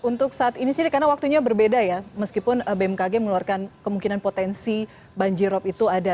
untuk saat ini sih karena waktunya berbeda ya meskipun bmkg mengeluarkan kemungkinan potensi banjirop itu ada